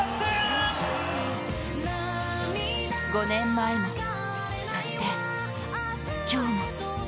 ５年前も、そして今日も。